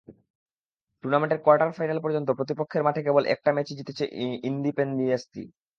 টুর্নামেন্টের quarter final পর্যন্ত প্রতিপক্ষের মাঠে কেবল একটা ম্যাচই জিতেছে ইনদিপেন্দিয়েন্তি।